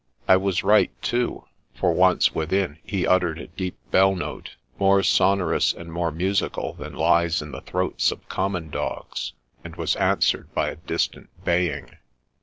I was right, too, for once within, he uttered a deep bell note, more sonorous and more musical than lies in the throats of common dogs, and was answered by a distant baying.